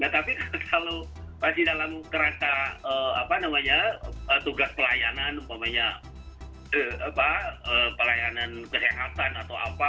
tapi kalau masih dalam kerata tugas pelayanan umpamanya pelayanan kesehatan atau apa